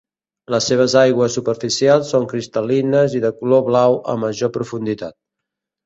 Les seves aigües superficials són cristal·lines i de color blau a major profunditat.